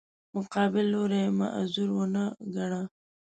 مقابل لوری یې معذور ونه ګاڼه.